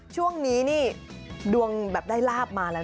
ช่วงนี้นี่ดวงแบบได้ลาบมาแล้วนะ